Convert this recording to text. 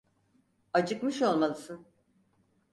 Acıkmış olmalısın.